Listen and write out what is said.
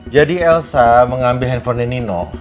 jadi elsa mengambil handphonenya nino